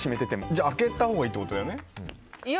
じゃあ開けたほうがいいってこと？